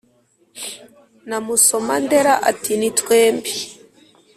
na musomandera ati ni twembi !